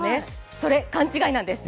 それ、勘違いなんです。